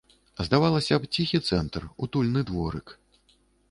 Здавалася б, ціхі цэнтр, утульны дворык.